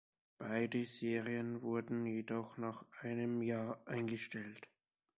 Beide Serien wurden jedoch nach einem Jahr eingestellt.